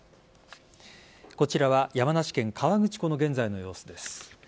こちらは山梨県河口湖の現在の様子です。